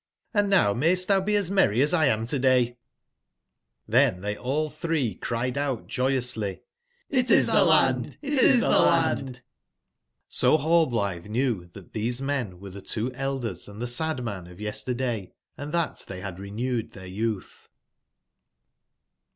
Hnd now mayst tbou be as merry as X am to/dayT'j^riben tbey all tbree cried out joyously: ''ItistbeLandtltistbeLandt" jj^So Rallblitbe knew tbat tbese men were tbe two elders and tbe sad man of yesterday, and tbat tbey bad ren cwed tbeir y ou tb.